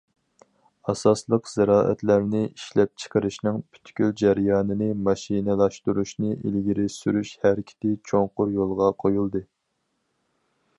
ئاساسلىق زىرائەتلەرنى ئىشلەپچىقىرىشنىڭ پۈتكۈل جەريانىنى ماشىنىلاشتۇرۇشنى ئىلگىرى سۈرۈش ھەرىكىتى چوڭقۇر يولغا قويۇلدى.